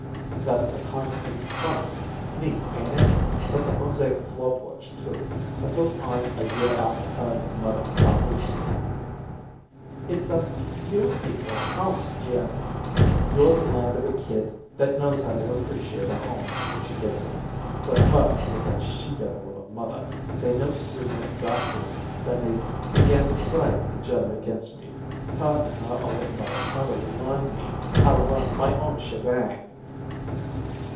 "That's a concrete front. Neat, ain't it? That's a mosaic floor porch, too, I built on a year after her and her mother vamoosed." "It's a beau tiful house, Jerry." "You're the land of a kid that knows how to appreciate a home when she gets it. But her with her she devil of a mother, they no sooner got in than they began to side with each other against me her and her old mother trying to learn me how to run my own shebang."